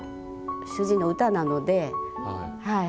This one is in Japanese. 主人の歌なので。